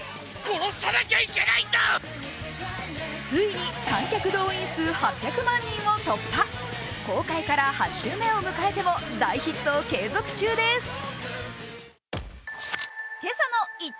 ついに観客動員数８００万人を突破公開から８週目を迎えても大ヒット継続中です。